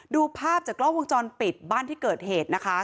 ดูภาพจากกล้องวงจรปิดบ้านที่เกิดเหตุนะคะ